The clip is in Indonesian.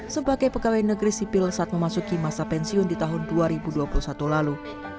sebagai pegawai negeri sipil saat memasuki masa pensiun di tahun dua ribu dua puluh satu lalu